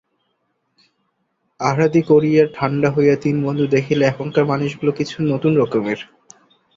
আহারাদি করিয়া ঠাণ্ডা হইয়া তিন বন্ধু দেখিল, এখানকার মানুষগুলা কিছু নূতন রকমের।